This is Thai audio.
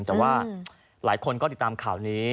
แต่ว่าหลายคนก็ติดตามข่าวนี้